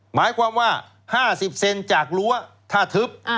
หมายความว่า๕๐เซนจากรั้วถ้าทึบ